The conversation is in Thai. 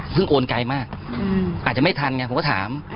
ซึ่งโอกลไกมากอาจจะไม่ทันผมก็ถาม